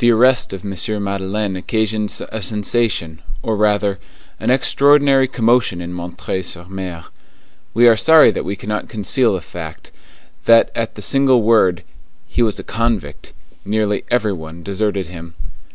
The arrest of M. Madeleine occasioned a sensation, or rather, an extraordinary commotion in M. sur M. We are sorry that we cannot conceal the fact, that at the single word, "He was a convict," nearly every one deserted him.